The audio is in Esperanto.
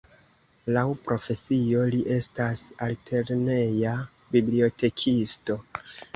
Laŭ profesio, li estas altlerneja bibliotekisto.